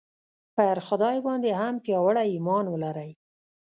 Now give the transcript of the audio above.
پر خدای باندې هم پیاوړی ایمان ولرئ